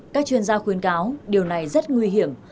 các chuyên gia khuyến cáo điều này rất nguy hiểm